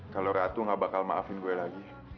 kalau ratu gak bakal maafin gue lagi